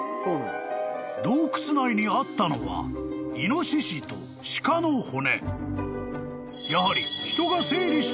［洞窟内にあったのはイノシシとシカの骨］